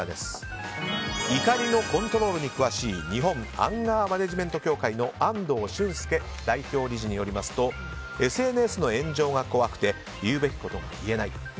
怒りのコントロールに詳しい日本アンガーマネジメント協会の安藤俊介代表理事によりますとＳＮＳの炎上が怖くて言うべきことが言えない。